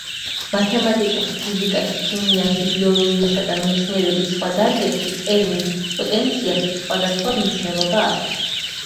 მათემატიკაში, ფიზიკაში, ქიმიაში, ბიოლოგიასა და მეცნიერების სხვა დარგებში ტერმინ „პოტენციალს“ სხვადასხვა მნიშვნელობა აქვს.